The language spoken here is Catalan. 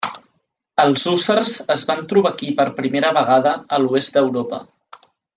Els hússars es van trobar aquí per primera vegada a l'oest d'Europa.